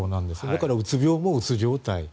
だから、うつ病もうつ状態